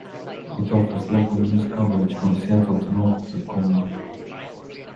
It offers local news coverage from Seattle to north Tacoma.